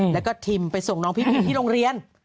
แล้วก็ทิมไปส่งน้องพี่พิมที่โรงเรียน